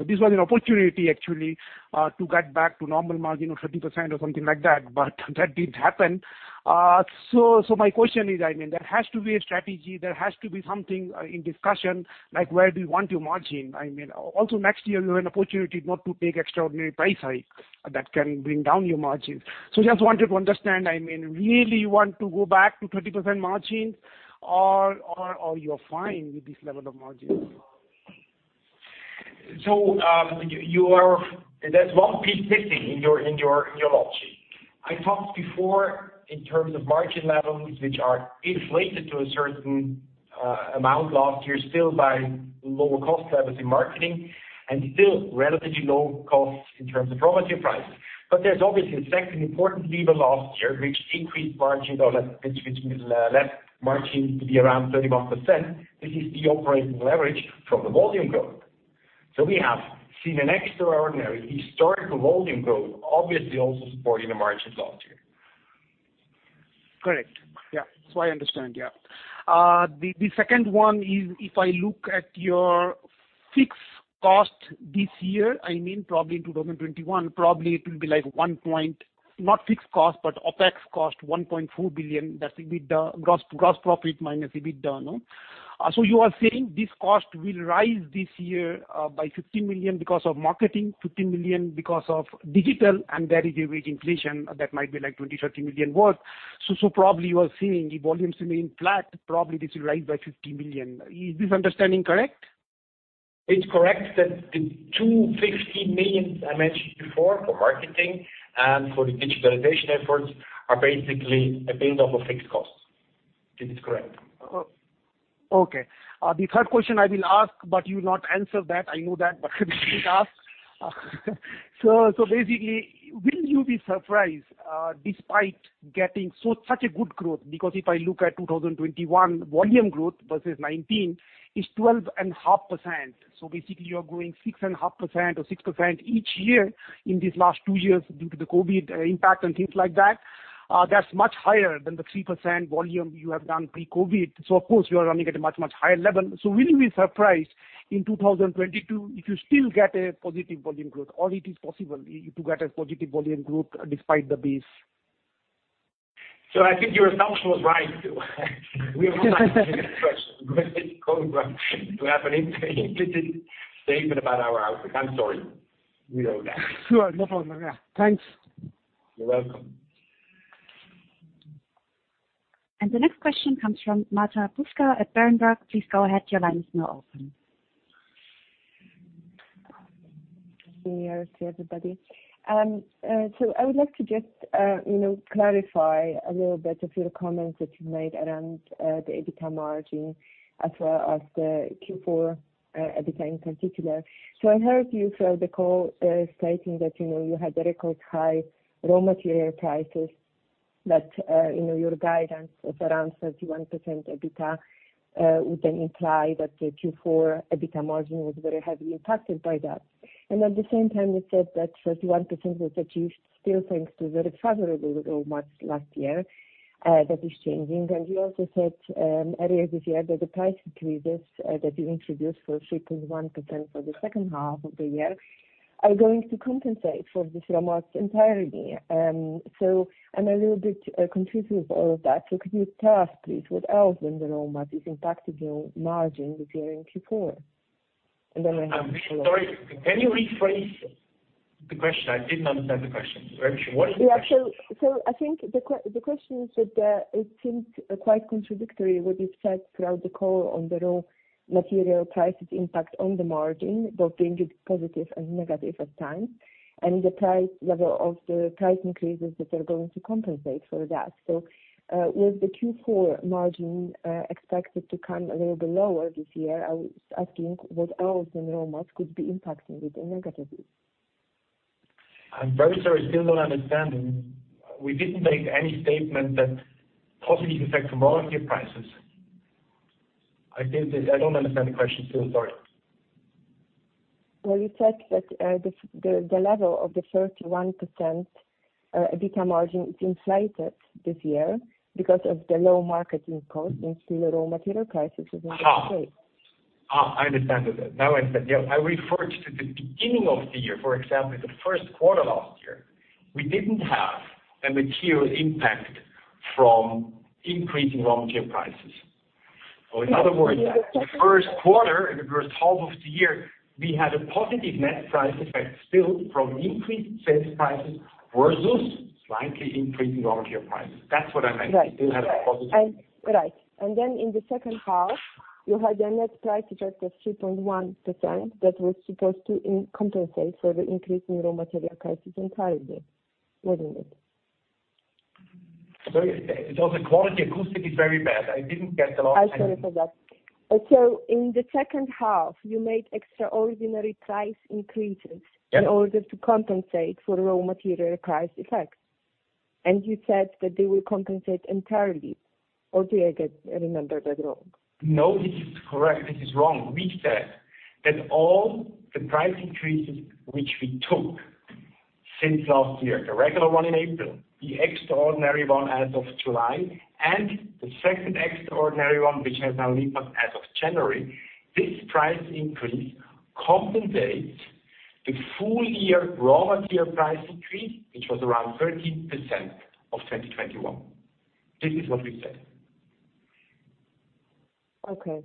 This was an opportunity actually, to get back to normal margin of 30% or something like that, but that didn't happen. My question is, I mean, there has to be a strategy. There has to be something, in discussion like where do you want your margin? I mean, also next year you have an opportunity not to take extraordinary price hike that can bring down your margins. Just wanted to understand, I mean, really you want to go back to 20% margins or you are fine with this level of margins? There's one piece missing in your logic. I talked before in terms of margin levels which are inflated to a certain amount last year still by lower cost levels in marketing and still relatively low costs in terms of raw material price. There's obviously a second important lever last year which left margins to be around 31%. This is the operating leverage from the volume growth. We have seen an extraordinary historical volume growth obviously also supporting the margins last year. Correct. Yeah. I understand, yeah. The second one is if I look at your fixed cost this year, I mean probably in 2021, probably it will be like 1.4 billion. Not fixed cost, but OpEX cost 1.4 billion. That's EBITDA, gross profit minus EBITDA, no? You are saying this cost will rise this year by 50 million because of marketing, 50 million because of digital, and there is a wage inflation that might be like 20 million-30 million worth. Probably you are seeing the volumes remain flat, probably this will rise by 50 million. Is this understanding correct? It's correct that the 250 million I mentioned before for marketing and for the digitalization efforts are basically a build of a fixed cost. This is correct. Okay. The third question I will ask, but you will not answer that, I know that. But let me ask. Basically, will you be surprised, despite getting such a good growth? Because if I look at 2021 volume growth versus 2019, it's 12.5%. Basically you are growing 6.5% or 6% each year in these last two years due to the COVID impact and things like that. That's much higher than the 3% volume you have done pre-COVID. Of course you are running at a much, much higher level. Will you be surprised in 2022 if you still get a positive volume growth or it is possible you to get a positive volume growth despite the base? I think your assumption was right. We will not answer this question because it's going to have an implicit statement about our outlook. I'm sorry. We know that. Sure. No problem. Yeah. Thanks. You're welcome. The next question comes from Marta Bruska at Berenberg. Please go ahead, your line is now open. Good afternoon to everybody. I would like to just, you know, clarify a little bit of your comments that you made around the EBITDA margin as well as the Q4 EBITDA in particular. I heard you throughout the call stating that, you know, you had the record high raw material prices that your guidance of around 31% EBITDA would then imply that the Q4 EBITDA margin was very heavily impacted by that. At the same time, you said that 31% was achieved still thanks to very favorable raw mats last year that is changing. You also said earlier this year that the price increases that you introduced for 3.1% for the second half of the year are going to compensate for this raw mats entirely. I'm a little bit confused with all of that. Could you tell us please what else than the raw mat is impacting your margin this year in Q4? And then I have. I'm really sorry. Can you rephrase the question? I didn't understand the question. Very sure. What is the question? I think the question is that it seems quite contradictory what you've said throughout the call on the raw material prices impact on the margin, both being positive and negative at times, and the price level of the price increases that are going to compensate for that. With the Q4 margin expected to come a little bit lower this year, I was asking what else than raw mats could be impacting it negatively. I'm very sorry. Still not understanding. We didn't make any statement that positive effects from raw material prices. I don't understand the question still. Sorry. Well, you said that the level of the 31% EBITDA margin is inflated this year because of the low marketing cost and still the raw material prices is Ah. still high. I understand it then. Now I understand. Yeah. I referred to the beginning of the year. For example, the first quarter last year, we didn't have a material impact from increasing raw material prices. In other words. Yes. The first quarter and the first half of the year, we had a positive net price effect still from increased sales prices versus slightly increasing raw material prices. That's what I meant. Right. We still had a positive. In the second half, you had a net price effect of 3.1% that was supposed to compensate for the increase in raw material prices entirely, wasn't it? Sorry, the audio quality is very bad. I didn't get the last. I'm sorry for that. In the second half, you made extraordinary price increases. Yep. In order to compensate for raw material price effects. You said that they will compensate entirely. Do I remember that wrong? No, this is wrong. We said that all the price increases which we took since last year, the regular one in April, the extraordinary one as of July, and the second extraordinary one, which has now been passed as of January. This price increase compensates the full year raw material price increase, which was around 13% in 2021. This is what we said. Okay,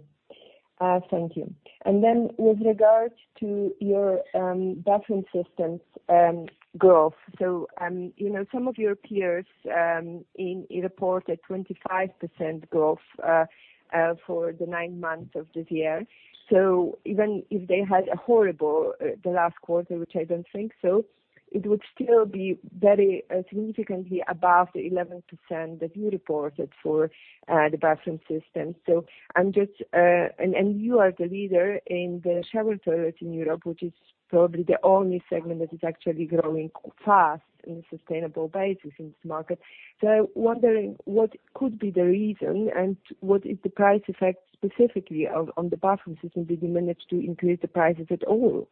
thank you. With regard to your Bathroom Systems growth, you know, some of your peers reported 25% growth for the nine months of this year. Even if they had a horrible last quarter, which I don't think so, it would still be very significantly above the 11% that you reported for the Bathroom Systems. I'm just, and you are the leader in the shower toilet in Europe, which is probably the only segment that is actually growing fast in a sustainable basis in this market, wondering what could be the reason and what is the price effect specifically on the Bathroom Systems. Did you manage to increase the prices at all?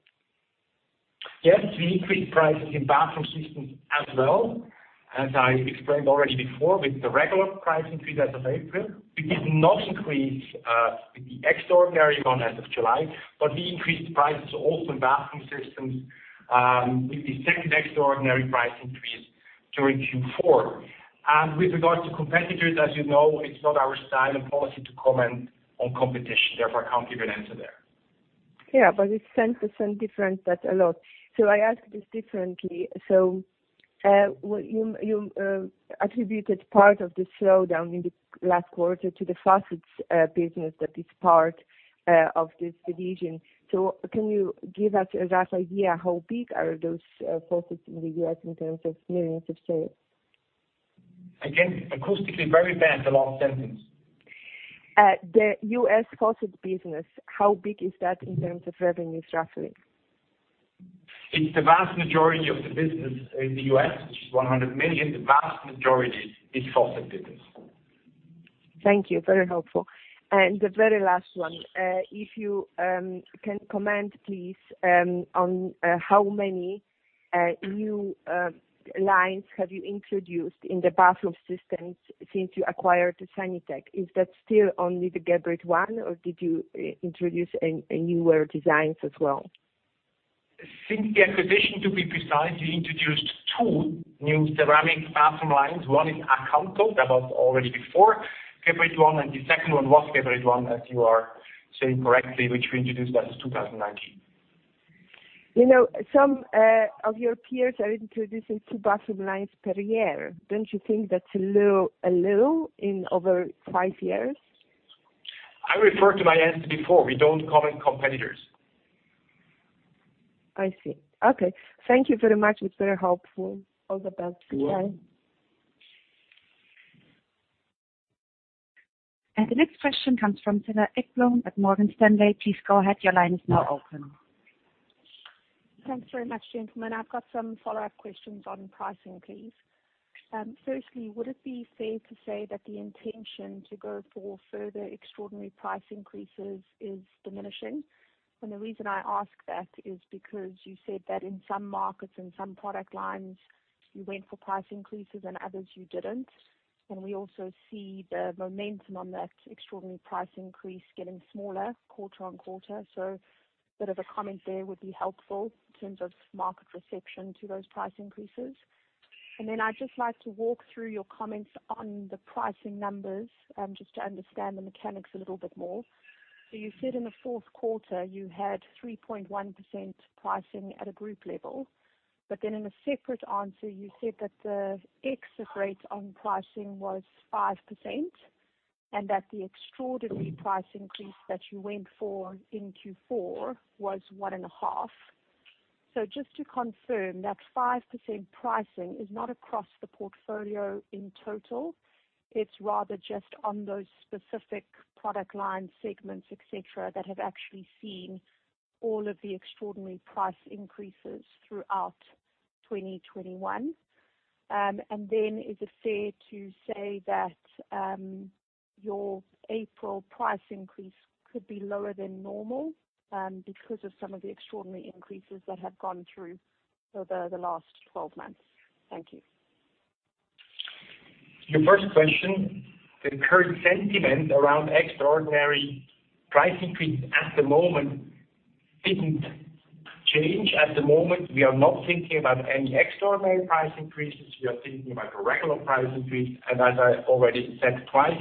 Yes, we increased prices in Bathroom Systems as well. As I explained already before, with the regular price increase as of April, we did not increase with the extraordinary one as of July, but we increased prices also in Bathroom Systems with the second extraordinary price increase during Q4. With regards to competitors, as you know, it's not our style and policy to comment on competition, therefore I can't give an answer there. Yeah, it's 10% difference. That's a lot. I ask this differently. You attributed part of the slowdown in the last quarter to the faucets business that is part of this division. Can you give us a rough idea how big are those faucets in the U.S. in terms of millions of sales? Again, acoustically very bad, the last sentence. The U.S. faucet business, how big is that in terms of revenues, roughly? It's the vast majority of the business in the U.S., which is 100 million. The vast majority is faucet business. Thank you. Very helpful. The very last one. If you can comment please on how many new lines have you introduced in the Bathroom Systems since you acquired Sanitec? Is that still only the Geberit one, or did you introduce any newer designs as well? Since the acquisition, to be precise, we introduced two new ceramic bathroom lines. One is Acanto. That was already before Geberit ONE, and the second one was Geberit ONE, as you are saying correctly, which we introduced as of 2019. You know, some of your peers are introducing two bathroom lines per year. Don't you think that's a little thin over five years? I referred to my answer before. We don't comment on competitors. I see. Okay. Thank you very much. It's very helpful. All the best. Goodbye. You're welcome. The next question comes from Cedar Ekblom at Morgan Stanley. Please go ahead. Your line is now open. Thanks very much, gentlemen. I've got some follow-up questions on pricing, please. Firstly, would it be fair to say that the intention to go for further extraordinary price increases is diminishing? The reason I ask that is because you said that in some markets and some product lines, you went for price increases and others you didn't. We also see the momentum on that extraordinary price increase getting smaller quarter on quarter. A bit of a comment there would be helpful in terms of market reception to those price increases. Then I'd just like to walk through your comments on the pricing numbers, just to understand the mechanics a little bit more. You said in the fourth quarter you had 3.1% pricing at a group level, but then in a separate answer, you said that the exit rate on pricing was 5% and that the extraordinary price increase that you went for in Q4 was 1.5%. Just to confirm, that 5% pricing is not across the portfolio in total. It's rather just on those specific product line segments, etc., that have actually seen all of the extraordinary price increases throughout 2021. And then is it fair to say that your April price increase could be lower than normal because of some of the extraordinary increases that have gone through over the last 12 months? Thank you. Your first question, the current sentiment around extraordinary price increase at the moment didn't change. At the moment, we are not thinking about any extraordinary price increases. We are thinking about a regular price increase, and as I already said twice,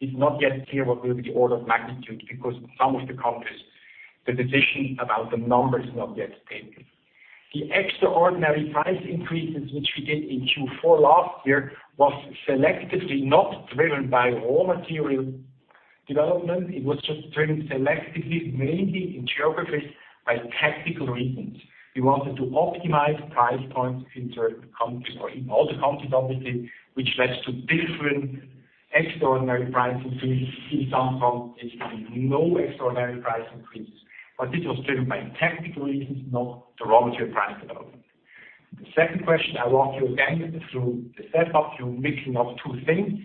it's not yet clear what will be the order of magnitude, because in some of the countries, the decision about the number is not yet taken. The extraordinary price increases, which we did in Q4 last year, was selectively not driven by raw material development, it was just turned selectively, mainly in geographies by tactical reasons. We wanted to optimize price points in certain countries or in all the countries, obviously, which leads to different extraordinary price increases. In some countries, there's been no extraordinary price increases. This was driven by technical reasons, not raw material price development. The second question, I'll walk you through the setup again. You're mixing up two things.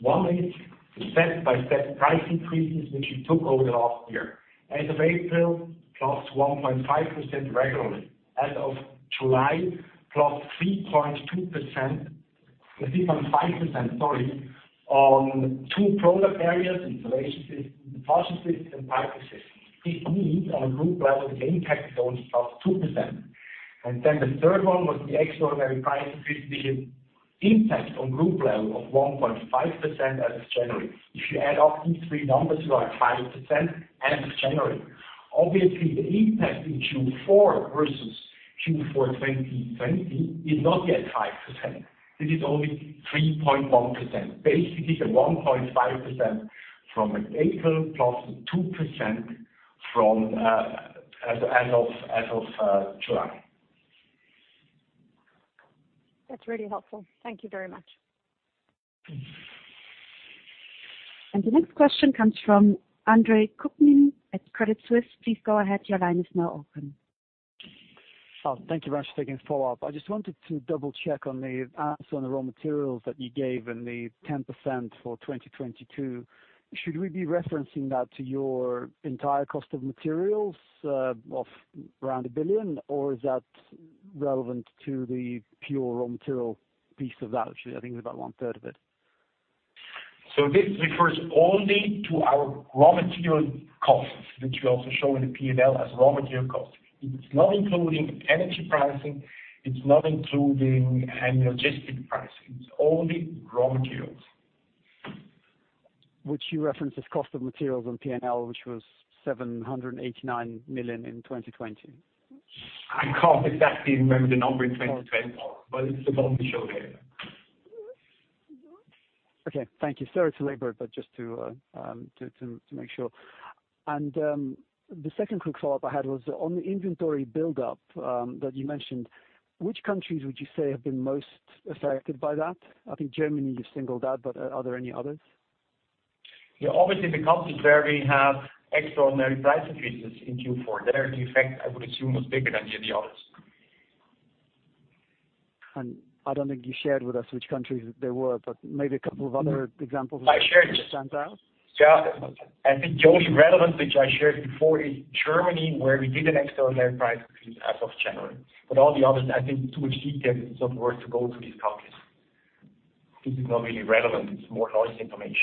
One is the step-by-step price increases, which we took over last year. As of April, +1.5% regularly. As of July, +3.5%, sorry, on two product areas: installation systems, flushing systems, and Piping Systems. This means on a group level, the impact is only +2%. The third one was the extraordinary price increase, the impact on group level of 1.5% as of January. If you add up these three numbers, you are at 5% as of January. Obviously, the impact in Q4 versus Q4 2020 is not yet 5%. This is only 3.1%. Basically, the 1.5% from April plus the 2% from as of July. That's really helpful. Thank you very much. The next question comes from Andre Kukhnin at Credit Suisse. Please go ahead. Your line is now open. Oh, thank you very much for taking the follow-up. I just wanted to double-check on the answer on the raw materials that you gave and the 10% for 2022. Should we be referencing that to your entire cost of materials of around 1 billion? Or is that relevant to the pure raw material piece of that, which I think is about one third of it. This refers only to our raw material costs, which we also show in the P&L as raw material costs. It's not including energy pricing, it's not including any logistic pricing. It's only raw materials. Which you reference as cost of materials on P&L, which was 789 million in 2020. I can't exactly remember the number in 2020, but it's the one we show here. Okay. Thank you. Sorry to labor it, but just to make sure. The second quick follow-up I had was on the inventory build-up that you mentioned, which countries would you say have been most affected by that? I think Germany you've singled out, but are there any others? Yeah, obviously the countries where we have extraordinary price increases in Q4. There, the effect, I would assume, was bigger than the others. I don't think you shared with us which countries they were, but maybe a couple of other examples. I shared. that stand out. Yeah. I think the only relevant, which I shared before, is Germany, where we did an extraordinary price increase as of January. All the others, I think too much detail is not worth to go into these countries. This is not really relevant. It's more noise information.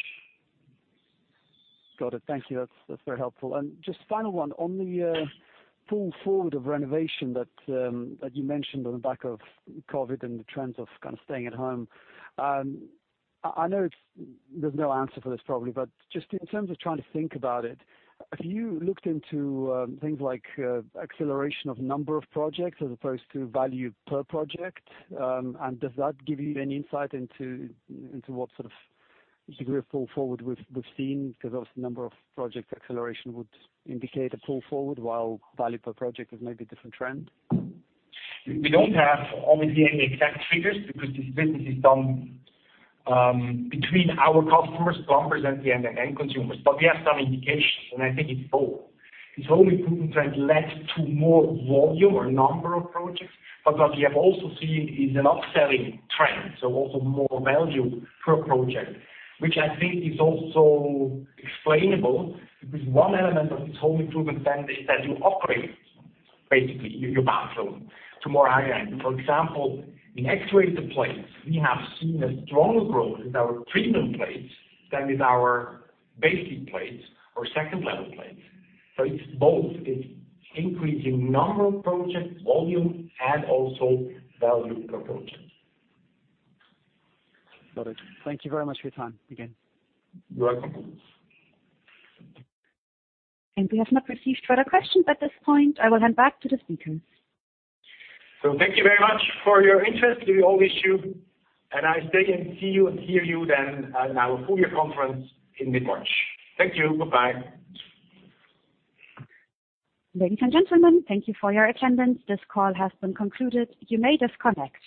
Got it. Thank you. That's very helpful. Just final one. On the pull forward of renovation that you mentioned on the back of COVID and the trends of kind of staying at home. I know there's no answer for this probably, but just in terms of trying to think about it, have you looked into things like acceleration of number of projects as opposed to value per project? And does that give you any insight into what sort of degree of pull forward we've seen? Because obviously the number of projects acceleration would indicate a pull forward while value per project is maybe a different trend. We don't have obviously any exact figures because this business is done between our customers, plumbers and the end-to-end consumers. We have some indications, and I think it's both. This home improvement trend led to more volume or number of projects. What we have also seen is an upselling trend, so also more value per project, which I think is also explainable. Because one element of this home improvement trend is that you upgrade basically your bathroom to more high-end. For example, in actuator plates, we have seen a stronger growth in our premium plates than with our basic plates or second-level plates. It's both. It's increasing number of projects, volume, and also value per project. Got it. Thank you very much for your time again. You're welcome. We have not received further questions at this point. I will hand back to the speakers. Thank you very much for your interest. We all wish you a nice day and see you and hear you then at our full year conference in mid-March. Thank you. Bye-bye. Ladies and gentlemen, thank you for your attendance. This call has been concluded. You may disconnect.